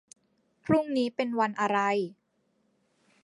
พรุ่งนี้เป็นวันอะไร